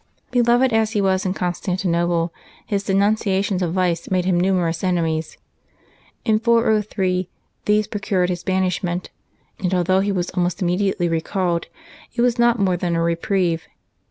^' Beloved as he was in Constantinople, his denuncia tions of vice made him numerous enemies. In 403 these procured his banishment ; and although he was almost im mediately recalled, it was not more than a reprieve.